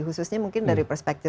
khususnya mungkin dari perspektif